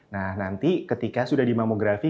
nah nanti ketika sudah dimografi